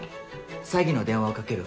詐欺の電話をかける